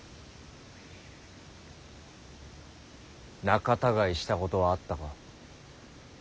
仲たがいしたことはあったか。